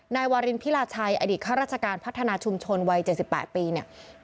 นายวารินพิราชัยอดีตข้าราชการพัฒนาชุมชนวัย๗๘ปีเนี่ย